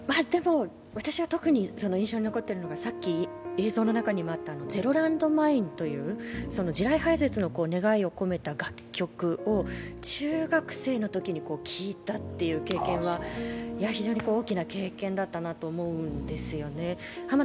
私は特に印象に残っているのは、さっきの「ＺＥＲＯＬＡＮＤＭＩＮＥ」という地雷廃絶の願いを込めた楽曲を中学生のときに聞いたという経験は非常に大きな経験だったなと思うんですよね。